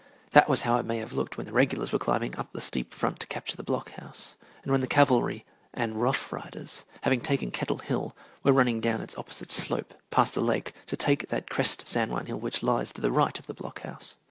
That was how it may have looked when the regulars were climbing up the steep front to capture the block house, and when the cavalry and Rough Riders, having taken Kettle Hill, were running down its opposite slope, past the lake, to take that crest of San Juan Hill which lies to the right of the block house.